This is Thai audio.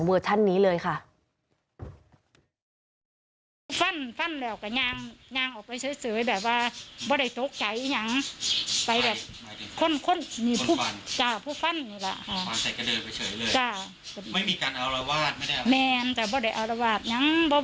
เวอร์ชันนี้เลยค่ะ